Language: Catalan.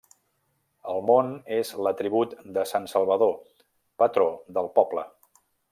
El món és l'atribut de sant Salvador, patró del poble.